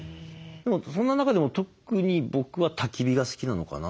でもそんな中でも特に僕はたき火が好きなのかな。